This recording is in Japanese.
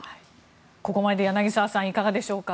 ここまでで柳澤さんいかがでしょうか？